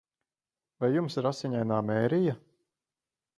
Vai jums ir Asiņainā Mērija?